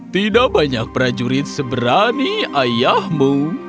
tidak banyak prajurit seberani ayahmu